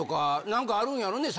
何かあるんやろね